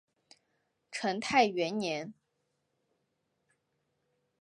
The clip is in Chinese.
成泰元年。